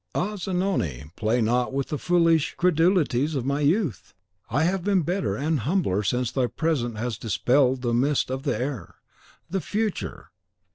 Ah, Zanoni, play not with the foolish credulities of my youth! I have been better and humbler since thy presence has dispelled the mist of the air. The future!